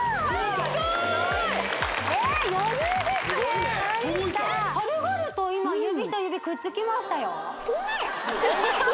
すごいね届いた軽々と今指と指くっつきましたよ